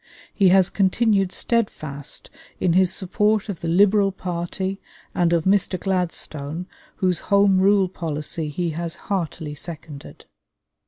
He has continued steadfast in his support of the Liberal party and of Mr. Gladstone, whose Home Rule policy he has heartily seconded.